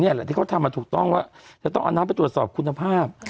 แหละที่เขาทำมาถูกต้องว่าจะต้องเอาน้ำไปตรวจสอบคุณภาพ